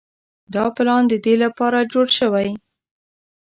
دا پلان د دې لپاره جوړ شوی.